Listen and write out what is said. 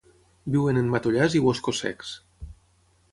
Viuen en matollars i boscos secs.